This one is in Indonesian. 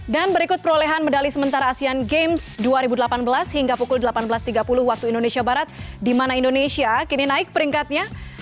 dan berikut perolehan medali sementara asean games dua ribu delapan belas hingga pukul delapan belas tiga puluh waktu indonesia barat di mana indonesia kini naik peringkatnya